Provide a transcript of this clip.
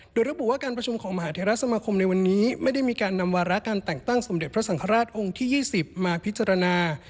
โดยระบุว่าการประชุมของมหาเทราสมาคมในวันนี้ไม่ได้มีการนำวาระการแต่งตั้งสมเด็จพระสังฆราชองค์ที่๒๐มาพิจารณา